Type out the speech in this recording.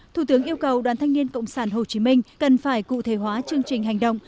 thủ tướng yêu cầu đoàn thanh niên cộng sản hồ chí minh cần phải cụ thể hóa chương trình hành động